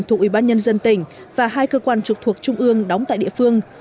thuộc ủy ban nhân dân tỉnh và hai cơ quan trực thuộc trung ương đóng tại địa phương